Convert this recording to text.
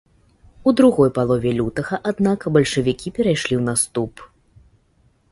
У другой палове лютага, аднак, бальшавікі перайшлі ў наступ.